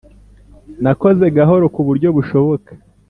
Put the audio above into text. nakoze gahoro kuburyo bushoboka